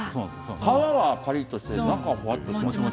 皮はぱりっとしてて、中はほわっとしてます。